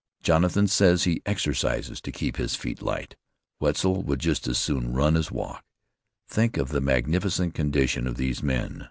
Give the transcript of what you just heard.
Jonathan says he exercises to keep his feet light. Wetzel would just as soon run as walk. Think of the magnificent condition of these men.